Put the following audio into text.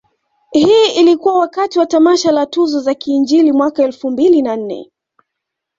Hii ilikuwa wakati wa tamasha la tuzo za kiinjili mwaka elfu mbili na nne